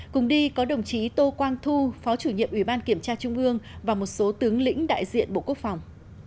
cùng đi có đồng chí tô quang thu phó chủ nhiệm ủy ban kiểm tra trung ương và một số tướng lĩnh đại diện bộ quốc phòng